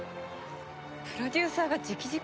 プロデューサーが直々に？